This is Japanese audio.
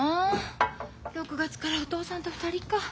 ６月からお父さんと２人か。